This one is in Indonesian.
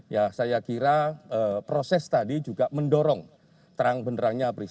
ya saya kira proses tadi juga mendorong terang beneran